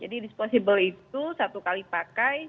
jadi disposable itu satu kali pakai